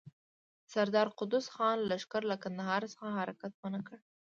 د سردار قدوس خان لښکر له کندهار څخه حرکت ونه کړ.